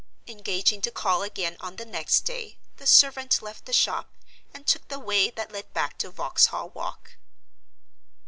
Engaging to call again on the next day, the servant left the shop, and took the way that led back to Vauxhall Walk.